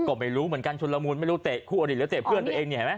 ก็ไม่รู้เหมือนกันชุนละมุนไม่รู้เตะคู่อดีตหรือเตะเพื่อนตัวเองเนี่ยเห็นไหม